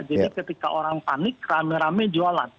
jadi ketika orang panik rame rame jualan